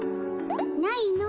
ないの。